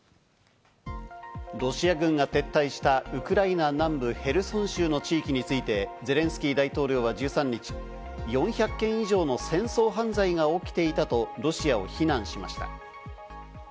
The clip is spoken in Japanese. ロシア軍が撤退したウクライナ南部ヘルソン州の地域について、ゼレンスキー大統領は１３日、４００件以上の戦争犯罪が起きていたとロシアを非難しました。